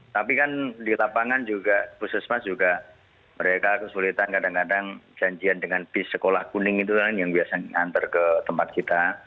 tapi kan di lapangan juga puskesmas juga mereka kesulitan kadang kadang janjian dengan bis sekolah kuning itu yang biasa ngantar ke tempat kita